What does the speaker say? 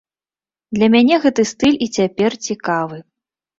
Для мяне гэты стыль і цяпер цікавы.